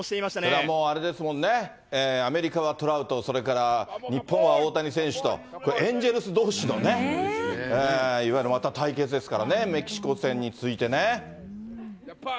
それはもうあれですもんね、アメリカはトラウト、それから日本は大谷選手と、エンジェルスどうしのいわゆるまた対決ですからね、メキシコ戦に続いてね。